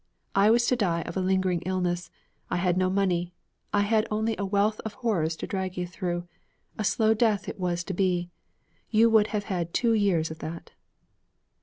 I was to die of a lingering illness. I had no money. I had only a wealth of horrors to drag you through. A slow death it was to be. You would have had two years of that.'